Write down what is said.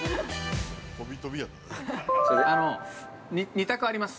◆２択あります。